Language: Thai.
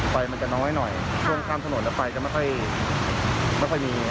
ไฟมันจะน้อยหน่อยช่วงข้ามถนนน่ะก็มีไม่เคยมี